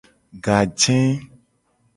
Gaje.